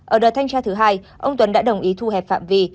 ở đợt thanh tra thứ hai ông tuấn đã đồng ý thu hẹp phạm vi